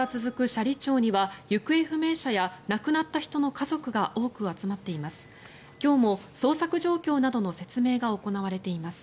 斜里町には行方不明者や亡くなった人の家族が多く集まっています。